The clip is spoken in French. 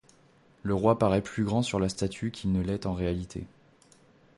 Le roi parait plus grand sur la statue qu’il ne l’est en réalité.